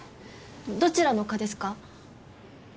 どちらの科ですか？